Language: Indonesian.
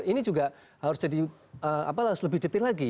ini juga harus jadi lebih detail lagi